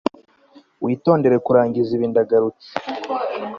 witondere kurangiza ibi ndagarutse